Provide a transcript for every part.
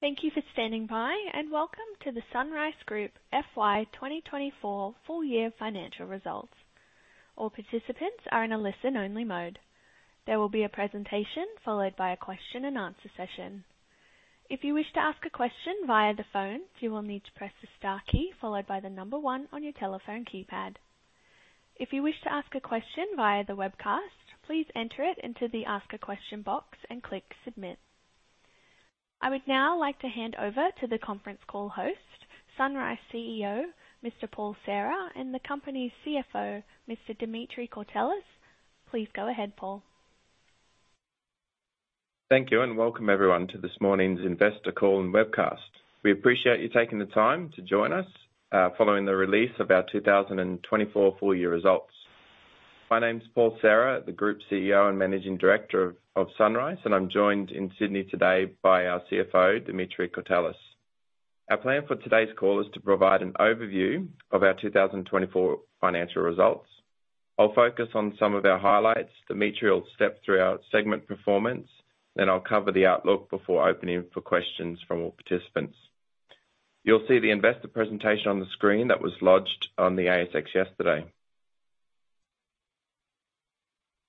Thank you for standing by, and welcome to the SunRice Group FY 2024 full-year financial results. All participants are in a listen-only mode. There will be a presentation followed by a question-and-answer session. If you wish to ask a question via the phone, you will need to press the star key followed by the one on your telephone keypad. If you wish to ask a question via the webcast, please enter it into the ask-a-question box and click submit. I would now like to hand over to the conference call host, SunRice CEO, Mr. Paul Serra, and the company's CFO, Mr. Dimitri Courtelis. Please go ahead, Paul. Thank you, and welcome everyone to this morning's investor call and webcast. We appreciate you taking the time to join us following the release of our 2024 full-year results. My name's Paul Serra, the Group CEO and Managing Director of SunRice, and I'm joined in Sydney today by our CFO, Dimitri Courtelis. Our plan for today's call is to provide an overview of our 2024 financial results. I'll focus on some of our highlights, Dimitri will step through our segment performance, then I'll cover the outlook before opening for questions from all participants. You'll see the investor presentation on the screen that was lodged on the ASX yesterday.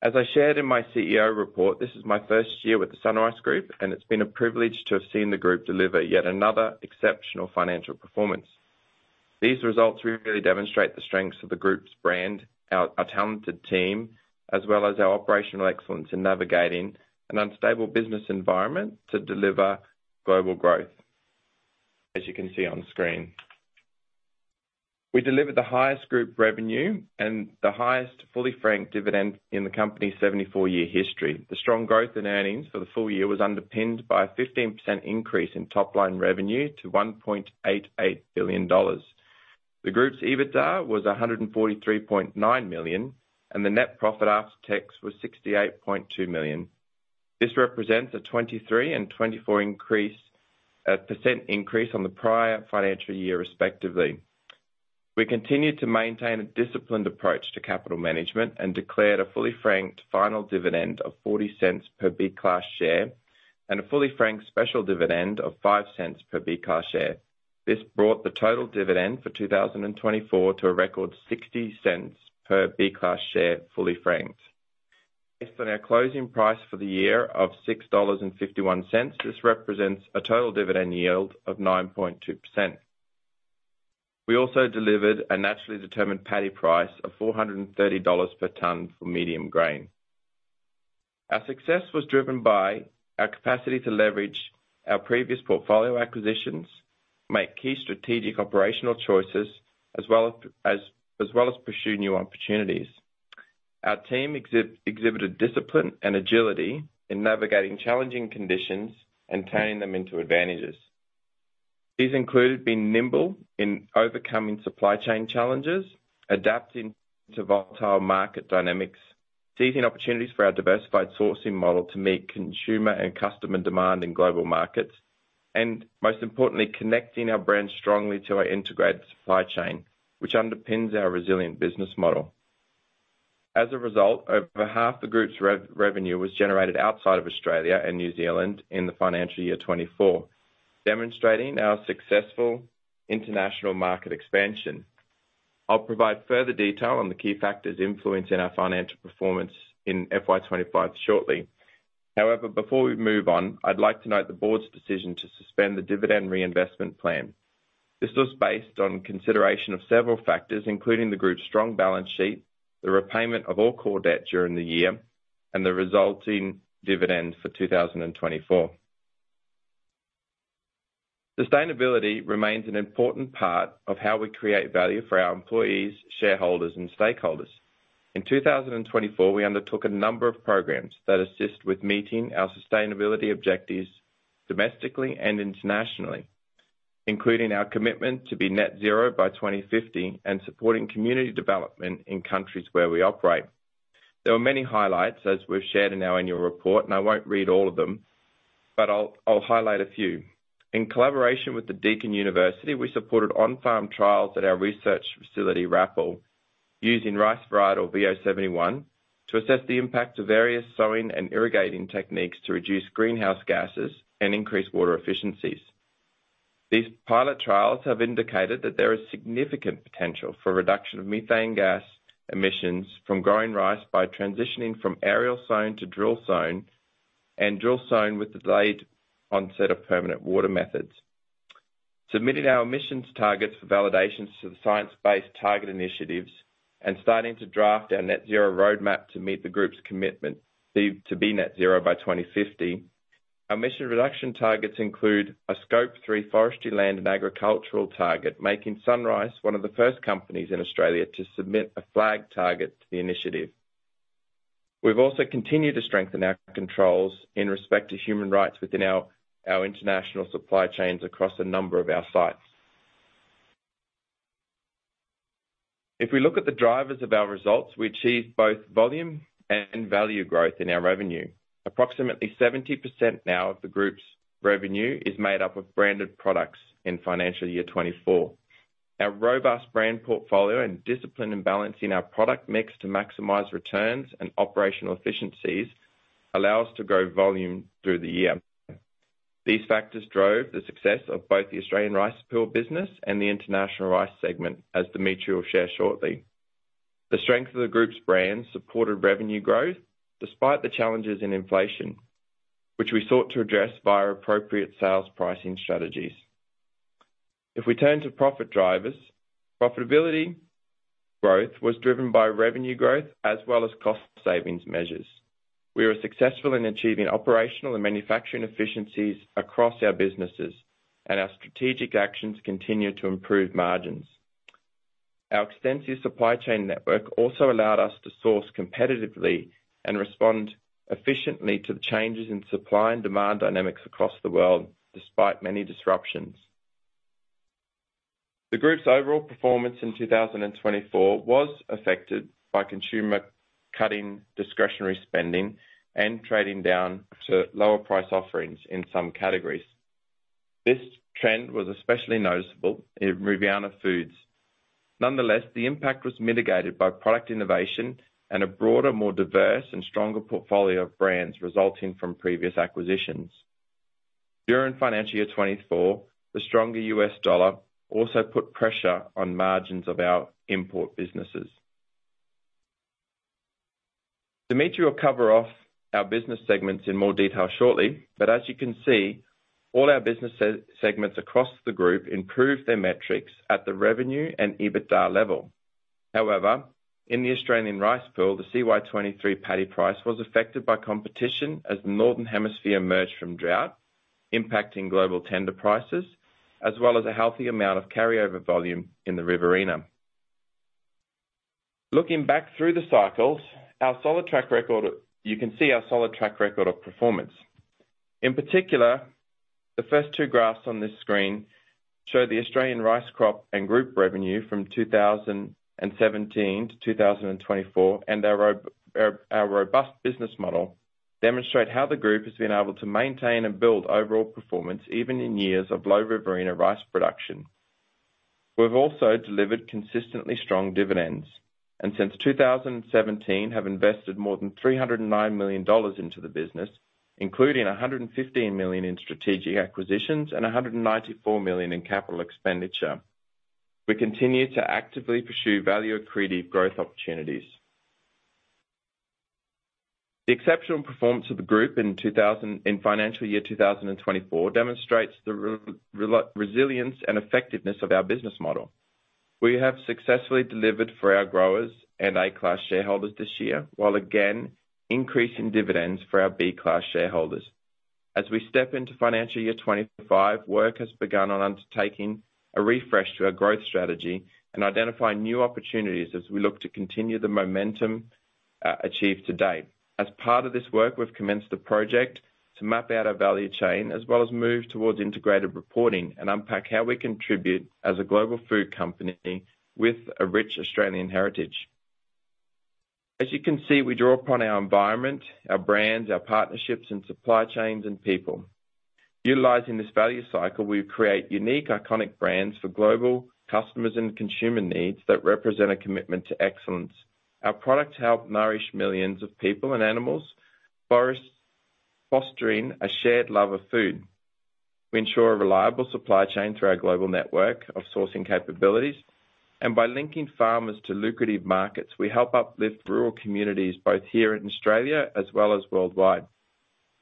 As I shared in my CEO report, this is my first year with the SunRice Group, and it's been a privilege to have seen the group deliver yet another exceptional financial performance. These results really demonstrate the strengths of the group's brand, our talented team, as well as our operational excellence in navigating an unstable business environment to deliver global growth, as you can see on screen. We delivered the highest group revenue and the highest fully franked dividend in the company's 74-year history. The strong growth in earnings for the full year was underpinned by a 15% increase in top-line revenue to 1.88 billion dollars. The group's EBITDA was 143.9 million, and the net profit after tax was 68.2 million. This represents a 23% and 24% increase on the prior financial year, respectively. We continue to maintain a disciplined approach to capital management and declared a fully franked final dividend of 0.40 per B-Class share and a fully franked special dividend of 0.05 per B-Class share. This brought the total dividend for 2024 to a record 0.60 per B-Class share fully franked. Based on our closing price for the year of 6.51 dollars, this represents a total dividend yield of 9.2%. We also delivered a naturally determined paddy price of 430 dollars per tonne for medium grain. Our success was driven by our capacity to leverage our previous portfolio acquisitions, make key strategic operational choices, as well as pursue new opportunities. Our team exhibited discipline and agility in navigating challenging conditions and turning them into advantages. These included being nimble in overcoming supply chain challenges, adapting to volatile market dynamics, seizing opportunities for our diversified sourcing model to meet consumer and customer demand in global markets, and most importantly, connecting our brand strongly to our integrated supply chain, which underpins our resilient business model. As a result, over half the group's revenue was generated outside of Australia and New Zealand in the financial year 2024, demonstrating our successful international market expansion. I'll provide further detail on the key factors influencing our financial performance in FY 2025 shortly. However, before we move on, I'd like to note the board's decision to suspend the dividend reinvestment plan. This was based on consideration of several factors, including the group's strong balance sheet, the repayment of all core debt during the year, and the resulting dividend for 2024. Sustainability remains an important part of how we create value for our employees, shareholders, and stakeholders. In 2024, we undertook a number of programs that assist with meeting our sustainability objectives domestically and internationally, including our commitment to be net zero by 2050 and supporting community development in countries where we operate. There were many highlights, as we've shared in our annual report, and I won't read all of them, but I'll highlight a few. In collaboration with Deakin University, we supported on-farm trials at our research facility, RRAPL, using rice varietal V071 to assess the impact of various sowing and irrigation techniques to reduce greenhouse gases and increase water efficiencies. These pilot trials have indicated that there is significant potential for reduction of methane gas emissions from growing rice by transitioning from aerial sowing to drill sowing and drill sowing with the delayed onset of permanent water methods. Submitting our emissions targets for validation to the Science Based Targets initiative and starting to draft our net zero roadmap to meet the group's commitment to be net zero by 2050, our emissions reduction targets include a Scope 3 Forest, Land and Agriculture target, making SunRice one of the first companies in Australia to submit a FLAG target to the initiative. We've also continued to strengthen our controls in respect to human rights within our international supply chains across a number of our sites. If we look at the drivers of our results, we achieved both volume and value growth in our revenue. Approximately 70% now of the group's revenue is made up of branded products in financial year 2024. Our robust brand portfolio and discipline in balancing our product mix to maximize returns and operational efficiencies allow us to grow volume through the year. These factors drove the success of both the Australian rice pool business and the international rice segment, as Dimitri will share shortly. The strength of the group's brand supported revenue growth despite the challenges in inflation, which we sought to address via appropriate sales pricing strategies. If we turn to profit drivers, profitability growth was driven by revenue growth as well as cost savings measures. We were successful in achieving operational and manufacturing efficiencies across our businesses, and our strategic actions continue to improve margins. Our extensive supply chain network also allowed us to source competitively and respond efficiently to the changes in supply and demand dynamics across the world despite many disruptions. The group's overall performance in 2024 was affected by consumers cutting discretionary spending and trading down to lower price offerings in some categories. This trend was especially noticeable in Riviana Foods. Nonetheless, the impact was mitigated by product innovation and a broader, more diverse, and stronger portfolio of brands resulting from previous acquisitions. During financial year 2024, the stronger U.S. dollar also put pressure on margins of our import businesses. Dimitri will cover off our business segments in more detail shortly, but as you can see, all our business segments across the group improved their metrics at the revenue and EBITDA level. However, in the Australian rice pool, the CY 2023 paddy price was affected by competition as the northern hemisphere emerged from drought, impacting global tender prices, as well as a healthy amount of carryover volume in the Riverina. Looking back through the cycles, our solid track record, you can see our solid track record of performance. In particular, the first two graphs on this screen show the Australian rice crop and group revenue from 2017 to 2024, and our robust business model demonstrates how the group has been able to maintain and build overall performance even in years of low Riverina rice production. We've also delivered consistently strong dividends and since 2017 have invested more than 309 million dollars into the business, including 115 million in strategic acquisitions and 194 million in capital expenditure. We continue to actively pursue value-accretive growth opportunities. The exceptional performance of the group in financial year 2024 demonstrates the resilience and effectiveness of our business model. We have successfully delivered for our growers and A-Class shareholders this year, while again increasing dividends for our B-Class shareholders. As we step into financial year 2025, work has begun on undertaking a refresh to our growth strategy and identifying new opportunities as we look to continue the momentum achieved to date. As part of this work, we've commenced a project to map out our value chain as well as move towards integrated reporting and unpack how we contribute as a global food company with a rich Australian heritage. As you can see, we draw upon our environment, our brands, our partnerships, and supply chains and people. Utilizing this value cycle, we create unique, iconic brands for global customers and consumer needs that represent a commitment to excellence. Our products help nourish millions of people and animals, fostering a shared love of food. We ensure a reliable supply chain through our global network of sourcing capabilities, and by linking farmers to lucrative markets, we help uplift rural communities both here in Australia as well as worldwide.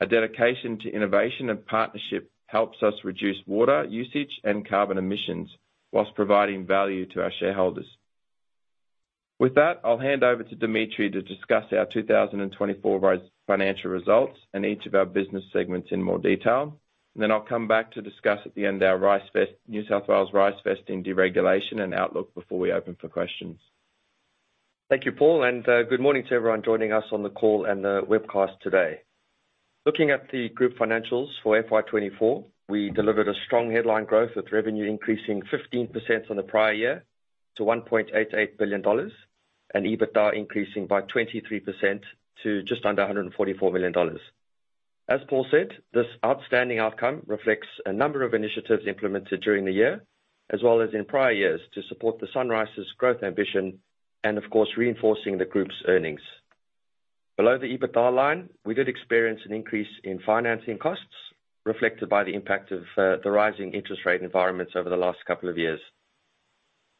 Our dedication to innovation and partnership helps us reduce water usage and carbon emissions while providing value to our shareholders. With that, I'll hand over to Dimitri to discuss our 2024 financial results and each of our business segments in more detail, and then I'll come back to discuss at the end our New South Wales rice vesting deregulation and outlook before we open for questions. Thank you, Paul, and good morning to everyone joining us on the call and the webcast today. Looking at the group financials for FY 2024, we delivered a strong headline growth with revenue increasing 15% on the prior year to 1.88 billion dollars and EBITDA increasing by 23% to just under 144 million dollars. As Paul said, this outstanding outcome reflects a number of initiatives implemented during the year, as well as in prior years to support the SunRice's growth ambition and, of course, reinforcing the group's earnings. Below the EBITDA line, we did experience an increase in financing costs reflected by the impact of the rising interest rate environments over the last couple of years.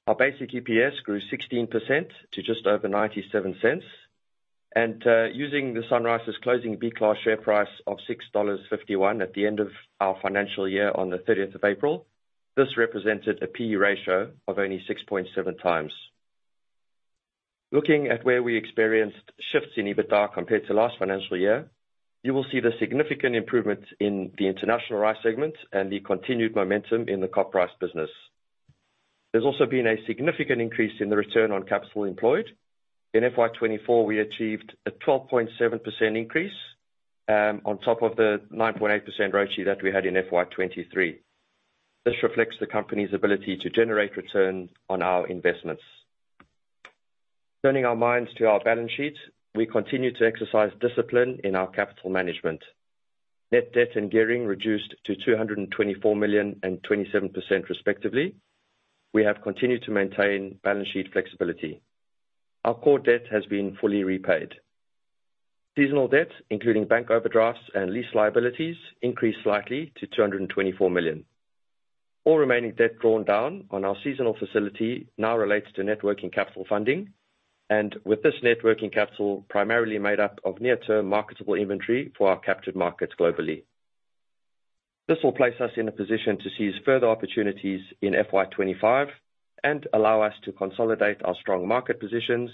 Our basic EPS grew 16% to just over 0.97, and using the SunRice's closing B-Class share price of 6.51 dollars at the end of our financial year on the 30th of April, this represented a P/E ratio of only 6.7 times. Looking at where we experienced shifts in EBITDA compared to last financial year, you will see the significant improvement in the International Rice segment and the continued momentum in the CopRice business. There's also been a significant increase in the return on capital employed. In FY 2024, we achieved a 12.7% increase on top of the 9.8% ROCE that we had in FY 2023. This reflects the company's ability to generate return on our investments. Turning our minds to our balance sheet, we continue to exercise discipline in our capital management. Net debt and gearing reduced to 224 million and 27% respectively. We have continued to maintain balance sheet flexibility. Our core debt has been fully repaid. Seasonal debt, including bank overdrafts and lease liabilities, increased slightly to 224 million. All remaining debt drawn down on our seasonal facility now relates to working capital funding, and with this working capital primarily made up of near-term marketable inventory for our captured markets globally. This will place us in a position to seize further opportunities in FY 2025 and allow us to consolidate our strong market positions,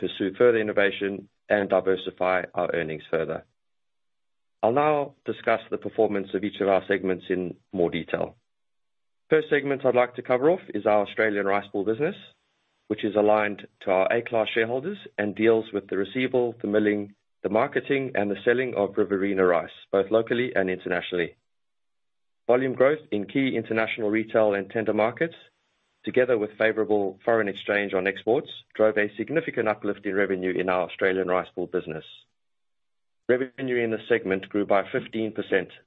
pursue further innovation, and diversify our earnings further. I'll now discuss the performance of each of our segments in more detail. First segment I'd like to cover off is our Australian Rice Pool business, which is aligned to our A-Class shareholders and deals with the receival, the milling, the marketing, and the selling of Riverina rice, both locally and internationally. Volume growth in key international retail and tender markets, together with favorable foreign exchange on exports, drove a significant uplift in revenue in our Australian Rice Pool business. Revenue in this segment grew by 15%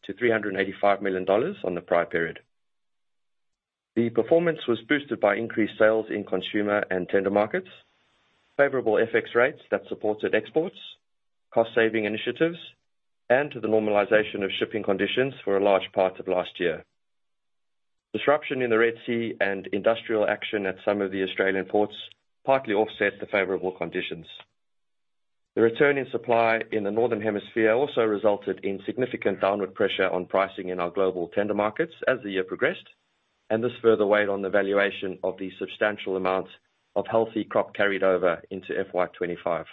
to 385 million dollars on the prior period. The performance was boosted by increased sales in consumer and tender markets, favorable FX rates that supported exports, cost-saving initiatives, and the normalization of shipping conditions for a large part of last year. Disruption in the Red Sea and industrial action at some of the Australian ports partly offset the favorable conditions. The return in supply in the northern hemisphere also resulted in significant downward pressure on pricing in our global tender markets as the year progressed, and this further weighed on the valuation of the substantial amount of healthy crop carried over into FY 2025.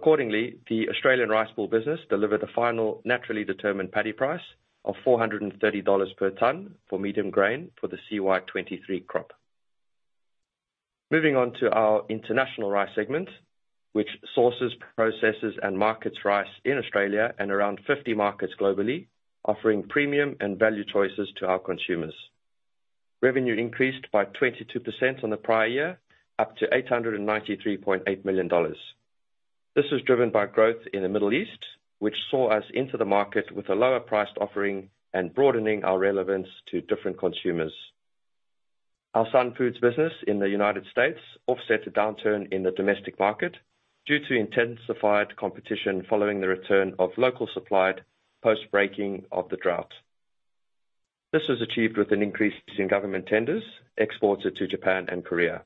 Accordingly, the Australian rice pool business delivered a final naturally determined paddy price of 430 dollars per ton for medium grain for the CY 2023 crop. Moving on to our international rice segment, which sources, processes, and markets rice in Australia and around 50 markets globally, offering premium and value choices to our consumers. Revenue increased by 22% on the prior year, up to 893.8 million dollars. This was driven by growth in the Middle East, which saw us enter the market with a lower-priced offering and broadening our relevance to different consumers. Our SunFoods business in the United States offset a downturn in the domestic market due to intensified competition following the return of local supplied post-breaking of the drought. This was achieved with an increase in government tenders exported to Japan and Korea.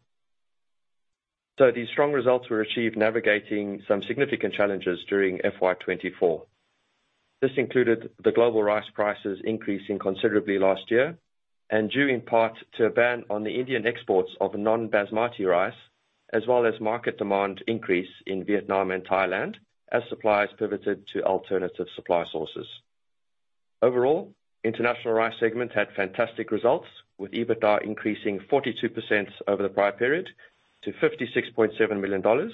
These strong results were achieved navigating some significant challenges during FY 2024. This included the global rice prices increasing considerably last year and due in part to a ban on the Indian exports of non-Basmati rice, as well as market demand increase in Vietnam and Thailand as supplies pivoted to alternative supply sources. Overall, the International Rice segment had fantastic results, with EBITDA increasing 42% over the prior period to 56.7 million dollars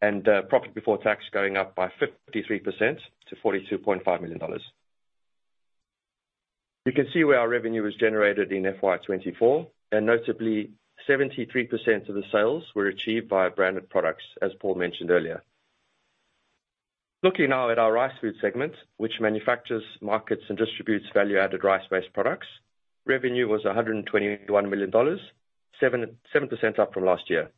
and profit before tax going up by 53% to 42.5 million dollars. You can see where our revenue was generated in FY 2024, and notably, 73% of the sales were achieved via branded products, as Paul mentioned earlier. Looking now at our Rice Food segment, which manufactures, markets, and distributes value-added rice-based products, revenue was 121 million dollars, 7% up from last year.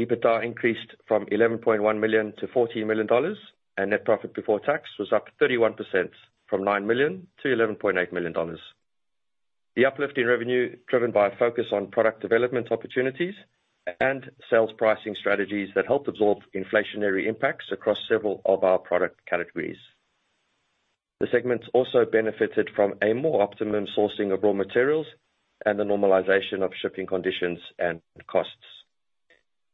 EBITDA increased from 11.1 million-14 million dollars, and net profit before tax was up 31% from 9 million-11.8 million dollars. The uplift in revenue was driven by a focus on product development opportunities and sales pricing strategies that helped absorb inflationary impacts across several of our product categories. The segments also benefited from a more optimum sourcing of raw materials and the normalization of shipping conditions and costs.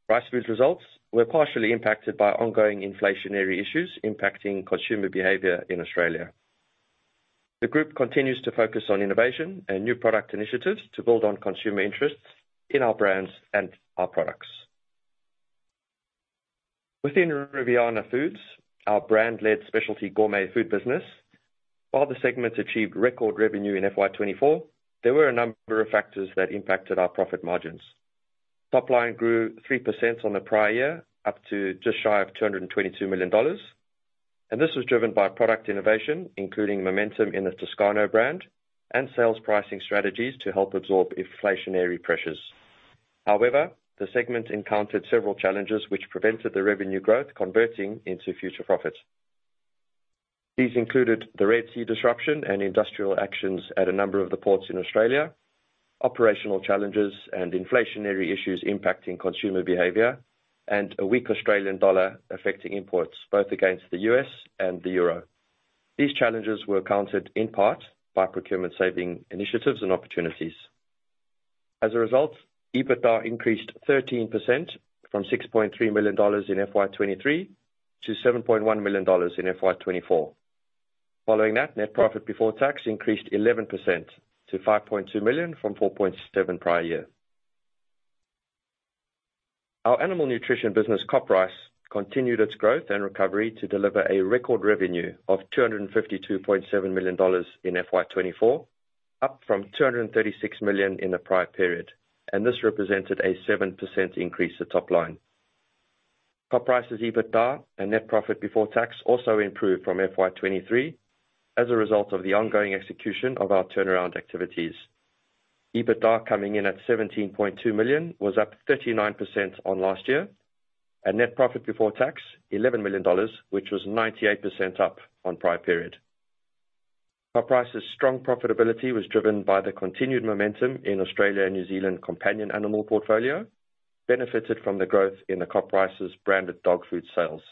Rice Foods' results were partially impacted by ongoing inflationary issues impacting consumer behavior in Australia. The group continues to focus on innovation and new product initiatives to build on consumer interests in our brands and our products. Within Riviana Foods, our brand-led specialty gourmet food business, while the segments achieved record revenue in FY 2024, there were a number of factors that impacted our profit margins. Top line grew 3% on the prior year, up to just shy of 222 million dollars, and this was driven by product innovation, including momentum in the Toscano brand and sales pricing strategies to help absorb inflationary pressures. However, the segment encountered several challenges which prevented the revenue growth converting into future profits. These included the Red Sea disruption and industrial actions at a number of the ports in Australia, operational challenges and inflationary issues impacting consumer behavior, and a weak Australian dollar affecting imports both against the U.S. and the euro. These challenges were countered in part by procurement-saving initiatives and opportunities. As a result, EBITDA increased 13% from 6.3 million dollars in FY 2023 to 7.1 million dollars in FY 2024. Following that, net profit before tax increased 11% to 5.2 million from 4.7 million prior year. Our animal nutrition business, CopRice, continued its growth and recovery to deliver a record revenue of 252.7 million dollars in FY 2024, up from 236 million in the prior period, and this represented a 7% increase to top line. CopRice's EBITDA and net profit before tax also improved from FY 2023 as a result of the ongoing execution of our turnaround activities. EBITDA coming in at 17.2 million was up 39% on last year and net profit before tax AUD 11 million, which was 98% up on the prior period. CopRice's strong profitability was driven by the continued momentum in Australia and New Zealand companion animal portfolio, benefited from the growth in the CopRice's branded dog food sales.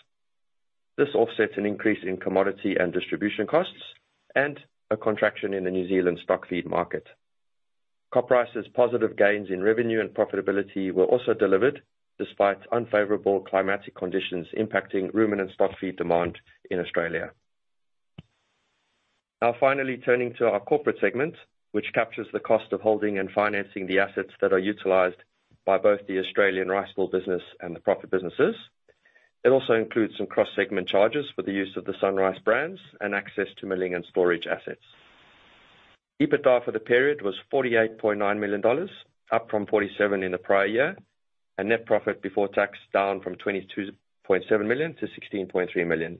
This offset an increase in commodity and distribution costs and a contraction in the New Zealand stock feed market. CopRice's positive gains in revenue and profitability were also delivered despite unfavorable climatic conditions impacting ruminant stock feed demand in Australia. Now, finally, turning to our corporate segment, which captures the cost of holding and financing the assets that are utilized by both the Australian Rice Pool business and the profit businesses. It also includes some cross-segment charges for the use of the SunRice brands and access to milling and storage assets. EBITDA for the period was 48.9 million dollars, up from 47 million in the prior year, and net profit before tax down from 22.7 million to 16.3 million.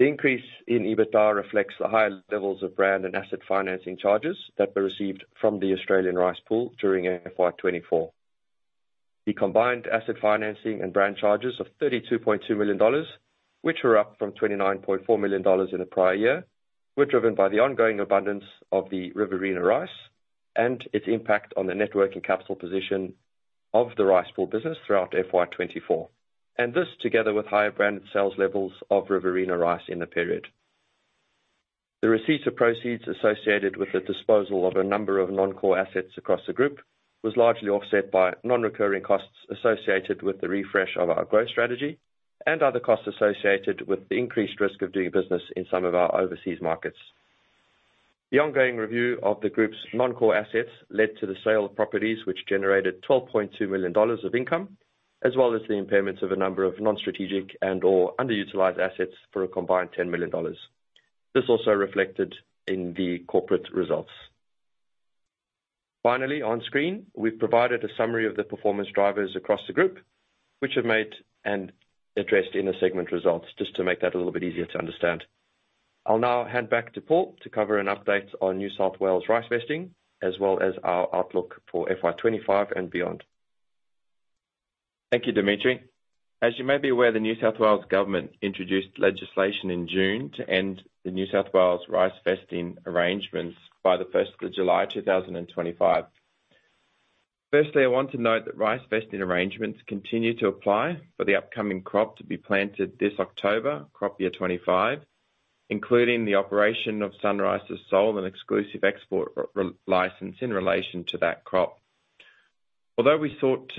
The increase in EBITDA reflects the higher levels of brand and asset financing charges that were received from the Australian Rice Pool during FY 2024. The combined asset financing and brand charges of 32.2 million dollars, which were up from 29.4 million dollars in the prior year, were driven by the ongoing abundance of the Riverina rice and its impact on the working capital position of the rice pool business throughout FY 2024, and this together with higher branded sales levels of Riverina rice in the period. The receipt of proceeds associated with the disposal of a number of non-core assets across the group was largely offset by non-recurring costs associated with the refresh of our growth strategy and other costs associated with the increased risk of doing business in some of our overseas markets. The ongoing review of the group's non-core assets led to the sale of properties, which generated 12.2 million dollars of income, as well as the impairments of a number of non-strategic and/or underutilized assets for a combined 10 million dollars. This also reflected in the corporate results. Finally, on screen, we've provided a summary of the performance drivers across the group, which are made and addressed in the segment results, just to make that a little bit easier to understand. I'll now hand back to Paul to cover an update on New South Wales rice vesting, as well as our outlook for FY 2025 and beyond. Thank you, Dimitri. As you may be aware, the New South Wales government introduced legislation in June to end the New South Wales rice vesting arrangements by the 1st of July 2025. Firstly, I want to note that rice vesting arrangements continue to apply for the upcoming crop to be planted this October, crop year 2025, including the operation of SunRice's sole and exclusive export license in relation to that crop. Although we sought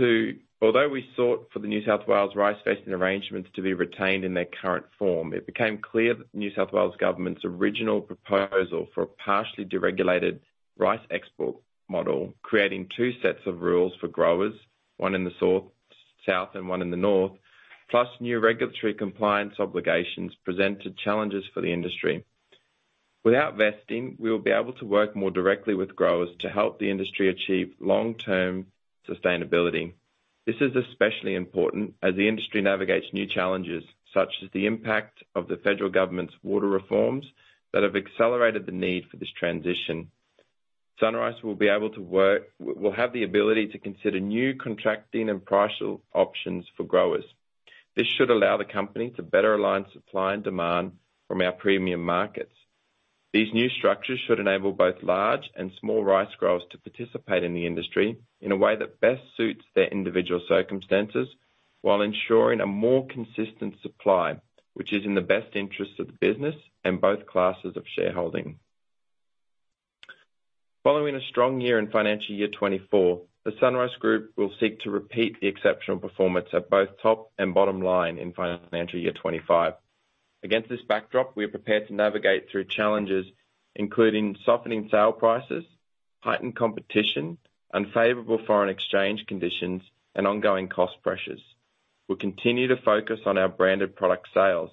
for the New South Wales rice vesting arrangements to be retained in their current form, it became clear that the New South Wales government's original proposal for a partially deregulated rice export model, creating two sets of rules for growers, one in the south and one in the north, plus new regulatory compliance obligations, presented challenges for the industry. Without vesting, we will be able to work more directly with growers to help the industry achieve long-term sustainability. This is especially important as the industry navigates new challenges, such as the impact of the federal government's water reforms that have accelerated the need for this transition. SunRice will be able to work. We'll have the ability to consider new contracting and pricing options for growers. This should allow the company to better align supply and demand from our premium markets. These new structures should enable both large and small rice growers to participate in the industry in a way that best suits their individual circumstances while ensuring a more consistent supply, which is in the best interests of the business and both classes of shareholding. Following a strong year in financial year 2024, the SunRice Group will seek to repeat the exceptional performance at both top and bottom line in financial year 2025. Against this backdrop, we are prepared to navigate through challenges, including softening sale prices, heightened competition, unfavorable foreign exchange conditions, and ongoing cost pressures. We'll continue to focus on our branded product sales.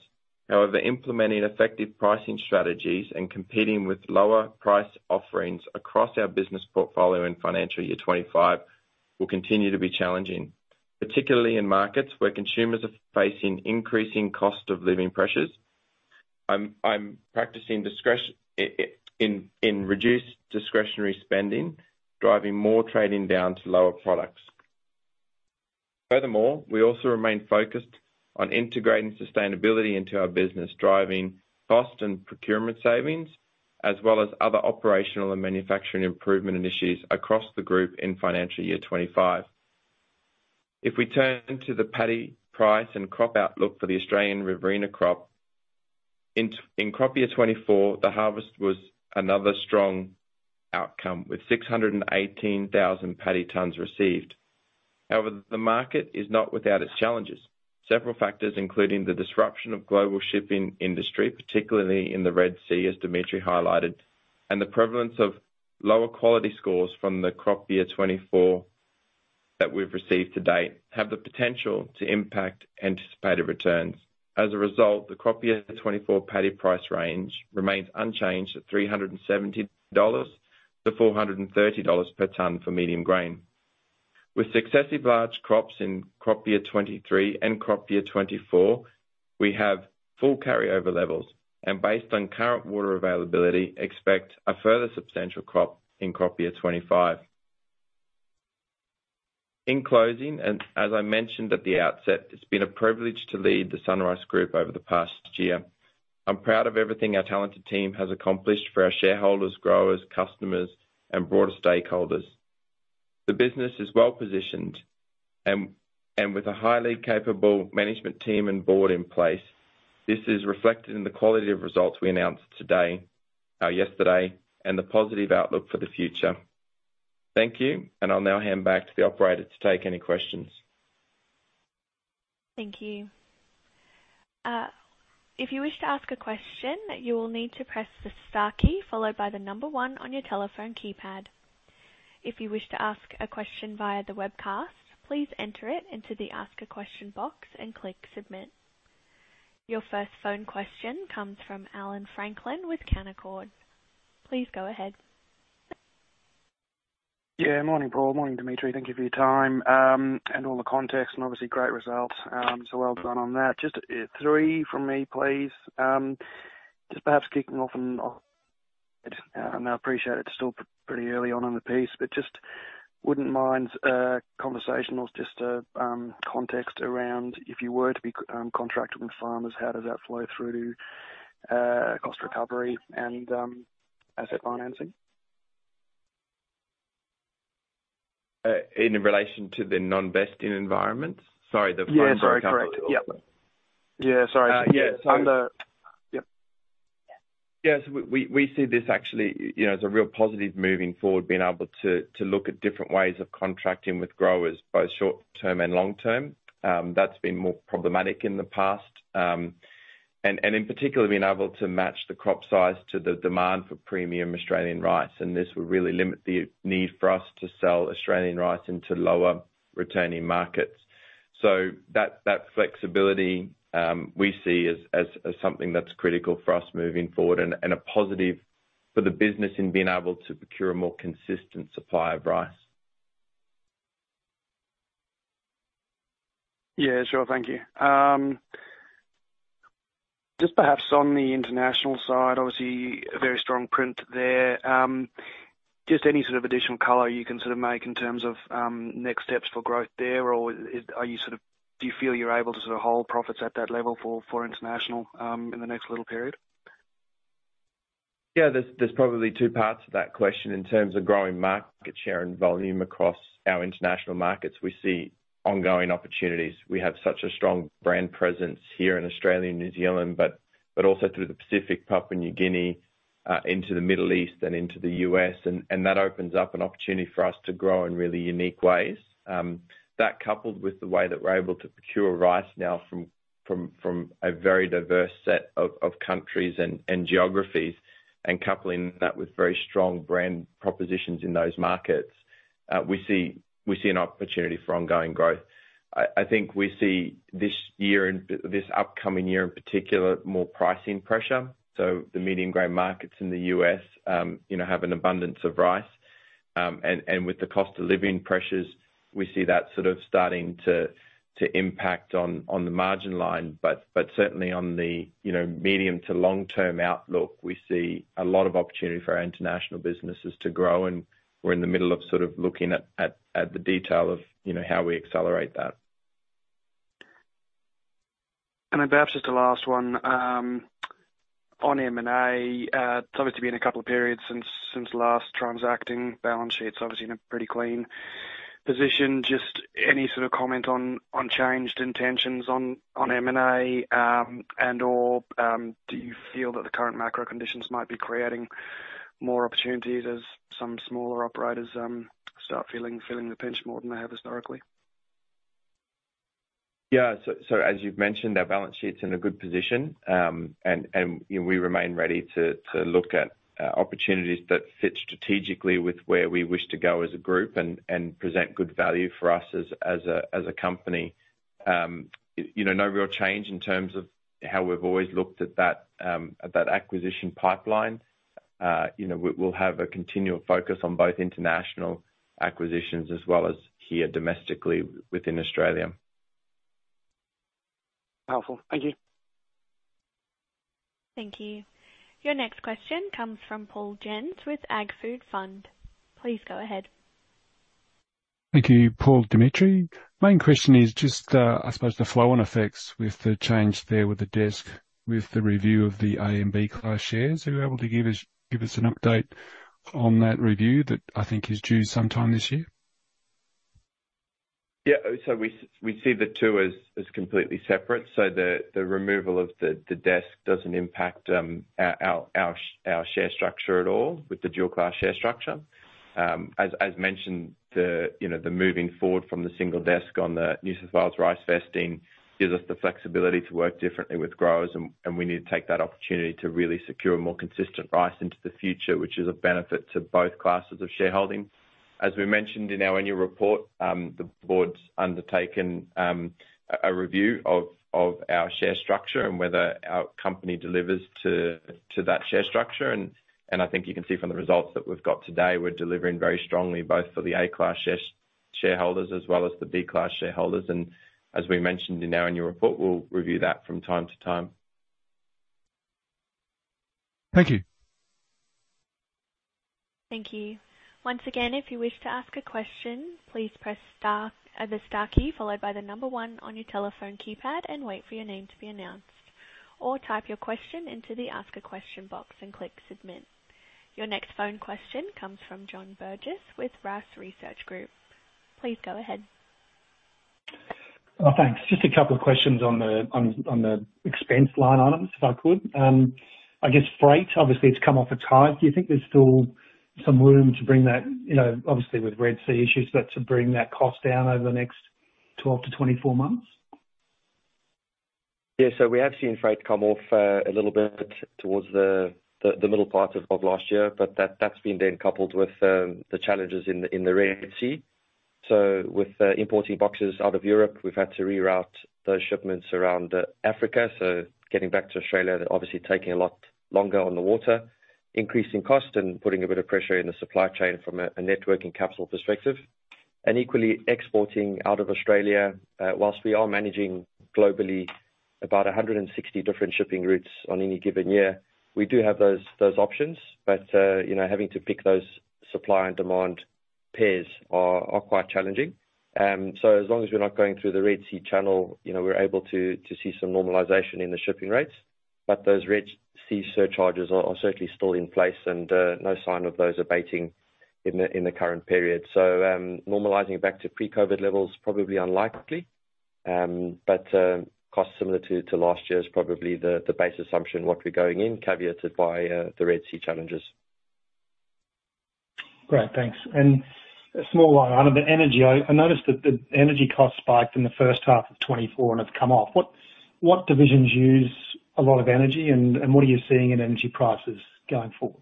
However, implementing effective pricing strategies and competing with lower price offerings across our business portfolio in financial year 2025 will continue to be challenging, particularly in markets where consumers are facing increasing cost of living pressures. I'm practicing reduced discretionary spending, driving more trading down to lower products. Furthermore, we also remain focused on integrating sustainability into our business, driving cost and procurement savings, as well as other operational and manufacturing improvement initiatives across the group in financial year 2025. If we turn to the paddy price and crop outlook for the Australian Riverina crop, in crop year 2024, the harvest was another strong outcome with 618,000 paddy tons received. However, the market is not without its challenges. Several factors, including the disruption of the global shipping industry, particularly in the Red Sea, as Dimitri highlighted, and the prevalence of lower quality scores from the crop year 2024 that we've received to date, have the potential to impact anticipated returns. As a result, the crop year 2024 paddy price range remains unchanged at 370-430 dollars per ton for medium grain. With successive large crops in crop year 2023 and crop year 2024, we have full carryover levels, and based on current water availability, expect a further substantial crop in crop year 2025. In closing, as I mentioned at the outset, it's been a privilege to lead the SunRice Group over the past year. I'm proud of everything our talented team has accomplished for our shareholders, growers, customers, and broader stakeholders. The business is well positioned and with a highly capable management team and board in place. This is reflected in the quality of results we announced today, yesterday, and the positive outlook for the future. Thank you, and I'll now hand back to the operator to take any questions. Thank you. If you wish to ask a question, you will need to press the star key followed by the number one on your telephone keypad. If you wish to ask a question via the webcast, please enter it into the ask a question box and click submit. Your first phone question comes from Allan Franklin with Canaccord. Please go ahead. Yeah, morning, Paul. Morning, Dimitri. Thank you for your time and all the context and obviously great results. So well done on that. Just three from me, please. Just perhaps kicking off and I appreciate it's still pretty early on in the piece, but just wouldn't mind conversational just context around if you were to be contracting with farmers, how does that flow through cost recovery and asset financing? In relation to the non-vesting environment? Sorry, the financial capital? Yeah, sorry. Yeah, yeah. Yeah, so we see this actually as a real positive moving forward, being able to look at different ways of contracting with growers, both short term and long term. That's been more problematic in the past. In particular, being able to match the crop size to the demand for premium Australian rice. This will really limit the need for us to sell Australian rice into lower returning markets. That flexibility we see as something that's critical for us moving forward and a positive for the business in being able to procure a more consistent supply of rice. Yeah, sure. Thank you. Just perhaps on the international side, obviously a very strong print there. Just any sort of additional color you can sort of make in terms of next steps for growth there, or do you feel you're able to sort of hold profits at that level for international in the next little period? Yeah, there's probably two parts to that question in terms of growing market share and volume across our international markets. We see ongoing opportunities. We have such a strong brand presence here in Australia and New Zealand, but also through the Pacific, Papua New Guinea, into the Middle East, and into the U.S.. And that opens up an opportunity for us to grow in really unique ways. That coupled with the way that we're able to procure rice now from a very diverse set of countries and geographies, and coupling that with very strong brand propositions in those markets, we see an opportunity for ongoing growth. I think we see this year and this upcoming year in particular, more pricing pressure. So the medium grain markets in the U.S. have an abundance of rice. With the cost of living pressures, we see that sort of starting to impact on the margin line. Certainly on the medium to long term outlook, we see a lot of opportunity for our international businesses to grow. We're in the middle of sort of looking at the detail of how we accelerate that. Then perhaps just a last one. On M&A, it's obviously been a couple of periods since last transacting. Balance sheet's obviously in a pretty clean position. Just any sort of comment on changed intentions on M&A and/or do you feel that the current macro conditions might be creating more opportunities as some smaller operators start feeling the pinch more than they have historically? Yeah. So as you've mentioned, our balance sheet's in a good position. We remain ready to look at opportunities that fit strategically with where we wish to go as a group and present good value for us as a company. No real change in terms of how we've always looked at that acquisition pipeline. We'll have a continual focus on both international acquisitions as well as here domestically within Australia. Powerful. Thank you. Thank you. Your next question comes from Paul Jensz with AgFood Fund. Please go ahead. Thank you, Paul, Dimitri. My question is just, I suppose, the flow-on effects with the change there with the single desk with the review of the A-Class and B-Class shares. Are you able to give us an update on that review that I think is due sometime this year? Yeah. So we see the two as completely separate. So the removal of the desk doesn't impact our share structure at all with the dual class share structure. As mentioned, the moving forward from the single desk on the New South Wales rice vesting gives us the flexibility to work differently with growers. And we need to take that opportunity to really secure a more consistent rice into the future, which is a benefit to both classes of shareholding. As we mentioned in our annual report, the board's undertaken a review of our share structure and whether our company delivers to that share structure. And I think you can see from the results that we've got today, we're delivering very strongly both for the A class shareholders as well as the B class shareholders. And as we mentioned in our annual report, we'll review that from time to time. Thank you. Thank you. Once again, if you wish to ask a question, please press the star key followed by the number one on your telephone keypad and wait for your name to be announced. Or type your question into the ask a question box and click submit. Your next phone question comes from John Burgess with RAAS Research Group. Please go ahead. Thanks. Just a couple of questions on the expense line items, if I could. I guess freight, obviously, it's come off a high. Do you think there's still some room to bring that, obviously with Red Sea issues, but to bring that cost down over the next 12-24 months? Yeah. So we have seen freight come off a little bit towards the middle part of last year, but that's been then coupled with the challenges in the Red Sea. So with importing boxes out of Europe, we've had to reroute those shipments around Africa. So getting back to Australia, obviously taking a lot longer on the water, increasing cost and putting a bit of pressure in the supply chain from a working capital perspective. And equally, exporting out of Australia, while we are managing globally about 160 different shipping routes on any given year, we do have those options. But having to pick those supply and demand pairs are quite challenging. So as long as we're not going through the Red Sea channel, we're able to see some normalization in the shipping rates. Those Red Sea surcharges are certainly still in place and no sign of those abating in the current period. Normalizing back to pre-COVID levels is probably unlikely. Costs similar to last year is probably the base assumption what we're going in, caveated by the Red Sea challenges. Great. Thanks. A small line item on the energy. I noticed that the energy cost spiked in the first half of 2024 and have come off. What divisions use a lot of energy and what are you seeing in energy prices going forward?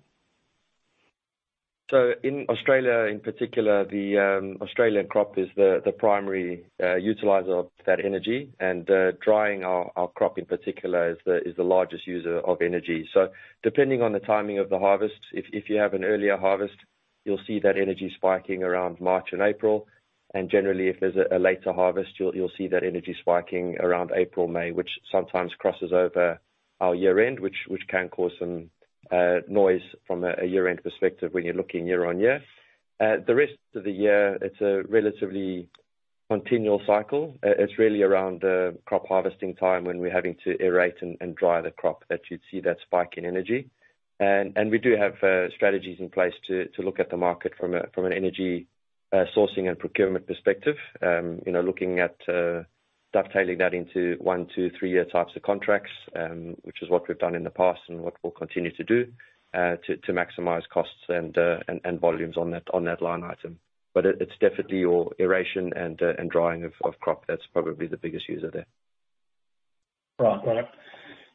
So in Australia, in particular, the Australian crop is the primary utilizer of that energy. And drying our crop in particular is the largest user of energy. So depending on the timing of the harvest, if you have an earlier harvest, you'll see that energy spiking around March and April. And generally, if there's a later harvest, you'll see that energy spiking around April, May, which sometimes crosses over our year-end, which can cause some noise from a year-end perspective when you're looking year-on-year. The rest of the year, it's a relatively continual cycle. It's really around the crop harvesting time when we're having to aerate and dry the crop that you'd see that spike in energy. We do have strategies in place to look at the market from an energy sourcing and procurement perspective, looking at dovetailing that into one, two, three-year types of contracts, which is what we've done in the past and what we'll continue to do to maximize costs and volumes on that line item. But it's definitely aeration and drying of crop that's probably the biggest user there. Right. Right.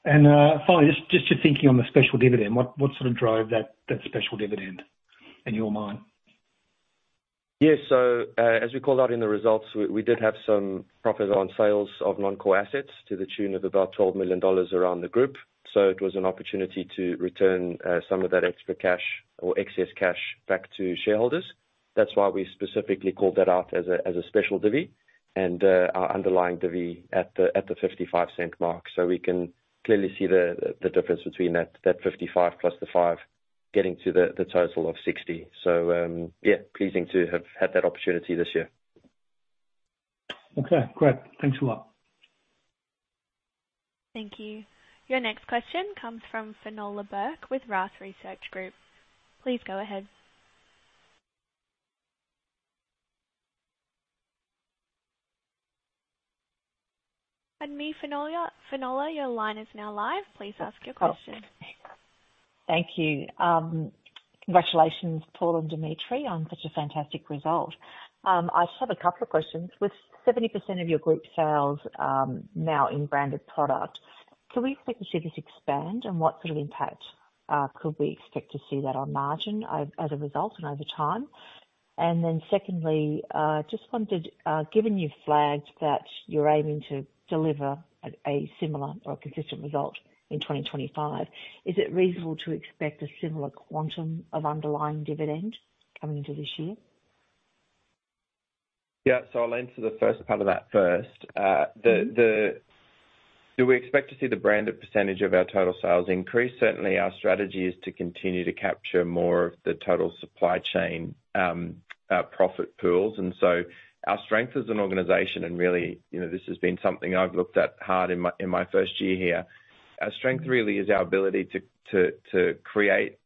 And finally, just your thinking on the special dividend, what sort of drove that special dividend in your mind? Yeah. So as we called out in the results, we did have some profit on sales of non-core assets to the tune of about 12 million dollars around the group. So it was an opportunity to return some of that extra cash or excess cash back to shareholders. That's why we specifically called that out as a special divvy and our underlying divvy at the 0.55 mark. So we can clearly see the difference between that 55 plus the 5 getting to the total of 60. So yeah, pleasing to have had that opportunity this year. Okay. Great. Thanks a lot. Thank you. Your next question comes from Finola Burke with RAAS Research Group. Please go ahead. And now, Fenella, your line is now live. Please ask your question. Thank you. Congratulations, Paul and Dimitri, on such a fantastic result. I just have a couple of questions. With 70% of your group sales now in branded products, can we expect to see this expand and what sort of impact could we expect to see that on margin as a result and over time? And then secondly, just wondered, given you flagged that you're aiming to deliver a similar or a consistent result in 2025, is it reasonable to expect a similar quantum of underlying dividend coming into this year? Yeah. So I'll answer the first part of that first. Do we expect to see the branded percentage of our total sales increase? Certainly, our strategy is to continue to capture more of the total supply chain profit pools. And so our strength as an organization, and really this has been something I've looked at hard in my first year here, our strength really is our ability to create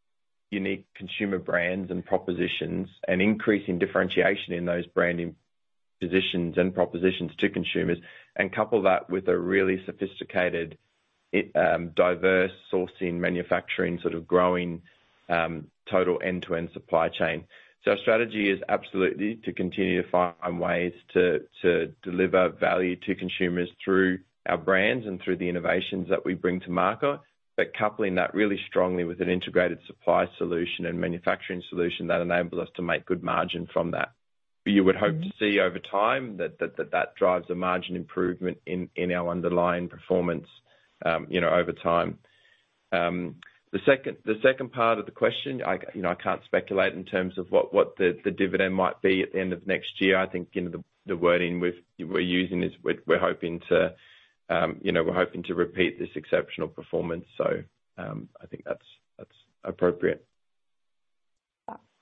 unique consumer brands and propositions and increasing differentiation in those branding positions and propositions to consumers. And couple that with a really sophisticated, diverse sourcing, manufacturing, sort of growing total end-to-end supply chain. So our strategy is absolutely to continue to find ways to deliver value to consumers through our brands and through the innovations that we bring to market. But coupling that really strongly with an integrated supply solution and manufacturing solution that enables us to make good margin from that. You would hope to see over time that that drives a margin improvement in our underlying performance over time. The second part of the question, I can't speculate in terms of what the dividend might be at the end of next year. I think the wording we're using is we're hoping to repeat this exceptional performance. So I think that's appropriate.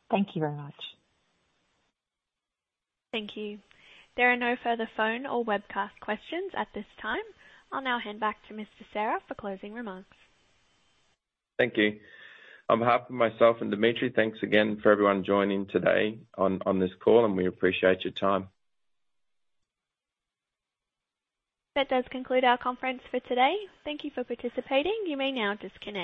Thank you very much. Thank you. There are no further phone or webcast questions at this time. I'll now hand back to Mr. Serra for closing remarks. Thank you. On behalf of myself and Dimitri, thanks again for everyone joining today on this call, and we appreciate your time. That does conclude our conference for today. Thank you for participating. You may now disconnect.